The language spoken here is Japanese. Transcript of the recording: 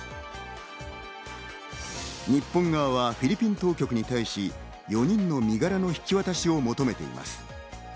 日本側はフィリピン当局に対し、４人の身柄の引き渡しを求めています。